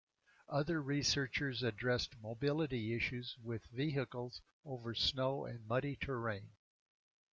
Other researchers addressed mobility issues with vehicles over snow and muddy terrain.